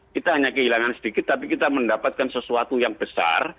kita hanya kehilangan sedikit tapi kita mendapatkan sesuatu yang besar